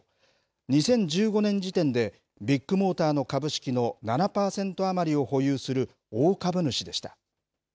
２０１５年時点でビッグモーターの株式の７％余りを保有する大株主でした。